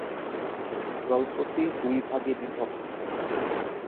গল্পটি দুই ভাগে বিভক্ত।